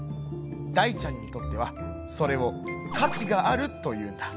大ちゃんにとってはそれを価値があるというんだ」。